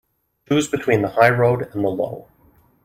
Choose between the high road and the low.